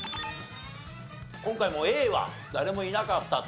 今回もＡは誰もいなかったと。